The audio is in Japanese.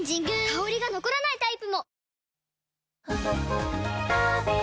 香りが残らないタイプも！